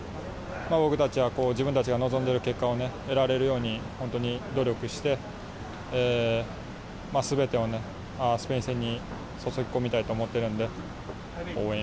僕たちは自分たちが望んでいる結果を得られるように、本当に努力して全てをスペイン戦に注ぎ込みたいと思っているので応援